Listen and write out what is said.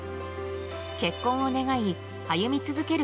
結婚を願い歩み続ける